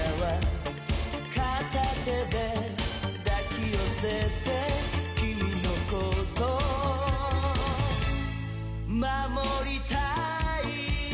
「片手で抱き寄せて君のこと守りたい」